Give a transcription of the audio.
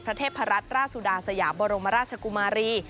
เทพรัฐราชสุดาสยามบรมราชกุมารี